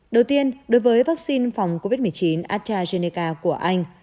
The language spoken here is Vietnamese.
đầu tiên đối với vắc xin phòng covid một mươi chín astrazeneca của anh